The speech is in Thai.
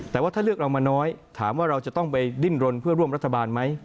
แต่ว่าถ้าเลือกเรามาน้อยถามว่าเราจะต้องไปดิ้นรนเพื่อร่วมรัฐบาลไหม